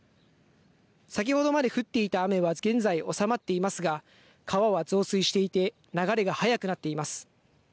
先ほどまで降っていた雨は現在収まっていますが川は増水していて流れが速くなっています。